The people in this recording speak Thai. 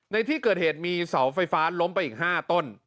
ในที่เกิดเหตุมีเสาไฟฟ้าล้มไปอีก๕ต้น